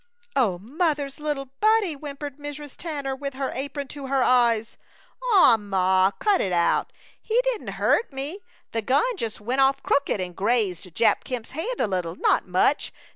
"Oh, mother's little Buddie!" whimpered Mrs. Tanner, with her apron to her eyes. "Aw, Ma, cut it out! he didn't hurt me! The gun just went off crooked, and grazed Jap Kemp's hand a little, not much.